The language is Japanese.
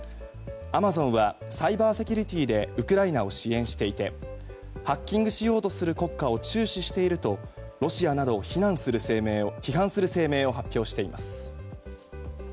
アマゾンはサイバーセキュリティーでウクライナを支援していてハッキングしようとする国家を注視しているとロシアなどを批判する声明を発表しています。